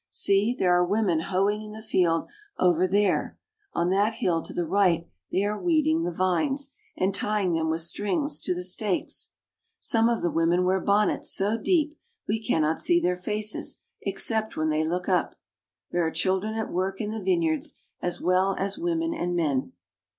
See, there are women hoeing in the field over there ; on that hill to the right they are weeding the vines, A Vineyard. and tying them with strings to the stakes. Some of the women wear bonnets so deep we cannot see their faces except when they look up. There are children at work in the vineyards, as well as women and men.